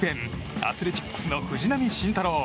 アスレチックスの藤浪晋太郎。